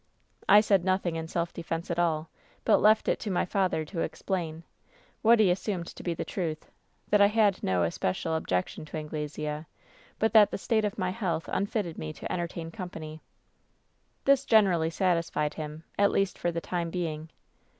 "I said nothing in self defense at all, but left it to my father to explain — ^what he assumed to be the truth — that I had no especial objection to Anglesea, but that the state of my health unfitted me to entertain company. "This generally satisfied him, at least for the time being.